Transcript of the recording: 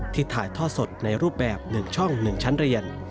ที่ถ่ายทอดสดในรูปแบบหนึ่งช่องหนึ่งชั้นเรียน